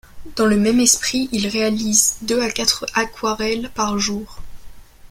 Dans le même esprit, il réalise deux à quatre aquarelles par jour.